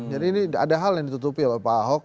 jadi ini ada hal yang ditutupi oleh pak ahok